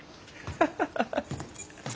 ハハハハ。